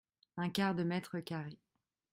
Un quart de mètre carré.